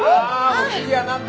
お次は何だ？